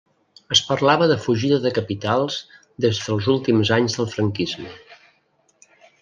Es parlava de fugida de capitals des dels últims anys del franquisme.